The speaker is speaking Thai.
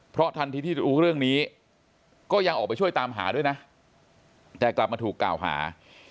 เพราะทันทีที่รู้เรื่องนี้ก็ยังออกไปช่วยตามหาด้วยนะแต่กลับมาถูกกล่าวหา